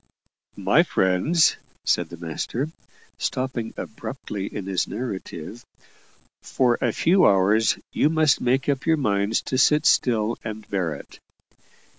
"My friends," said the master, stopping abruptly in his narrative, "for a few hours you must make up your minds to sit still and bear it.